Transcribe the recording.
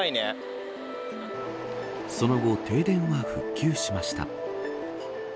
その後、停電は復旧しました。